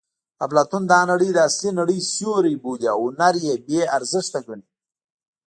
اپلاتون دا نړۍ د اصلي نړۍ سیوری بولي او هنر یې بې ارزښته ګڼي